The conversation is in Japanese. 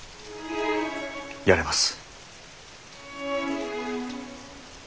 やれます。